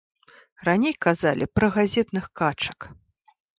Раней казалі пра газетных качак.